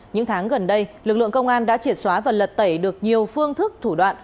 những tháng gần đây lực lượng công an đã triệt xóa và lật tẩy được nhiều phương thức thủ đoạn